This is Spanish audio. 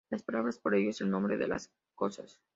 Las palabras, por ello, es el "nombre de las cosas".